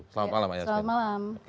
selamat malam mbak yasmin